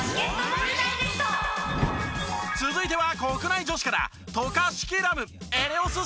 続いては国内女子から。